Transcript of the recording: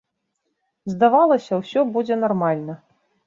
Здавалася, усё будзе нармальна.